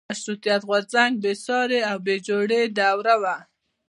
مشروطیت غورځنګ بېسارې او بې جوړې دوره وه.